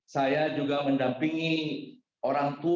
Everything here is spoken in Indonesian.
saya juga mendampingi orang tua